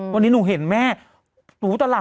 วันนี้หนูเห็นแม่หนูตลอด